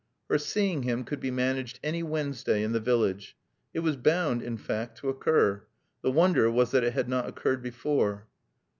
Her seeing him could be managed any Wednesday in the village. It was bound, in fact, to occur. The wonder was that it had not occurred before.